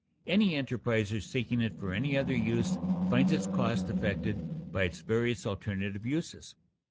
Any enterpriser seeking it for any other use finds its "cost" affected by its various alternative uses.